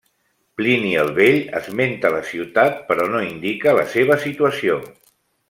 Plini el Vell esmenta la ciutat però no indica la seva situació.